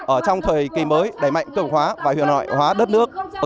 ở trong thời kỳ mới đẩy mạnh cường hóa và hiệu nội hóa đất nước